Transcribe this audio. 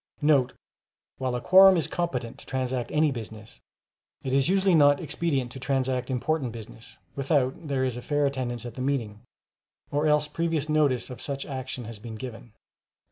* [While a quorum is competent to transact any business, it is usually not expedient to transact important business without there is a fair attendance at the meeting, or else previous notice of such action has been given.